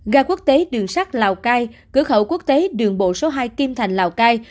gà quốc tế đường sắt lào cai cửa khẩu quốc tế đường bộ số hai kim thành lào cai